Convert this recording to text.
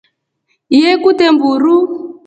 Yee kutre mburu.